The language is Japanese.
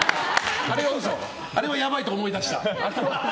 あれはやばいと思い出した？